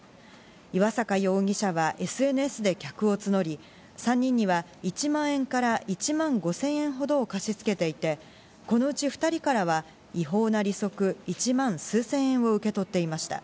岩坂容疑者はＳＮＳで客を募り、３人には１万円から１万５０００円ほどを貸し付けていて、このうち２人からは違法な利息、１万数千円を受け取っていました。